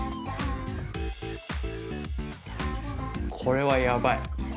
これはやばい。